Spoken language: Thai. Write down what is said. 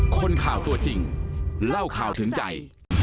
คนข่าวตัวจริงเล่าข่าวถึงใจ